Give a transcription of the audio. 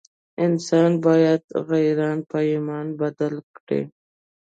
انسان باید غیران په ایمان بدل کړي.